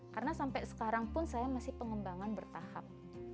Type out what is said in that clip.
karena sampai sekarang pun saya masih pengembangan bertahap